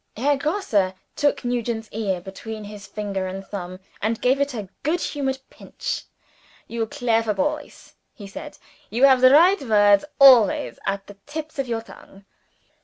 Herr Grosse took Nugent's ear between his finger and thumb, and gave it a good humoured pinch. "You clever boys!" he said. "You have the right word always at the tips of your tongue."